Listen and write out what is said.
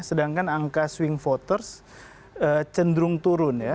sedangkan angka swing voters cenderung turun ya